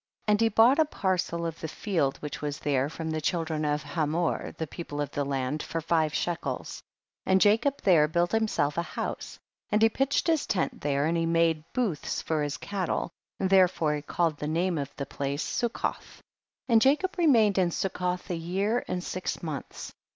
2. And he bought a parcel of the field which was there, from the child ren of Hamor the people of the land, for five shekels. 3. And Jacob there built himself a house, and he pitched his tent there, and he made booths for his cattle, therefore he called the name of that place Succoth, 4. And Jacob remained in Suc coth a year and six months.